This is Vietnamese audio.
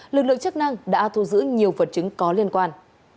lực lượng chức năng đã thu giữ nhiều vật chứng có liên quan